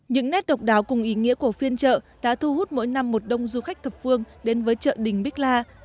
những nét độc đáo cùng ý nghĩa của phiên chợ đã thu hút mỗi năm một đông du khách thập phương đến với chợ đình bích la